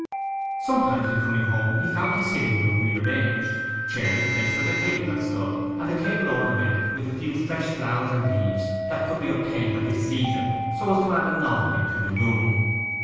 Sometimes in coming home he found his sitting room rearranged, chairs placed where the table had stood, and the table ornamented with the few fresh flowers and leaves that could be obtained at this season, so as to add a novelty to the room.